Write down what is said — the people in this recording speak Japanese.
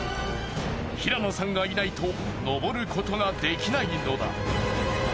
平野さんがいないと登ることができないのだ。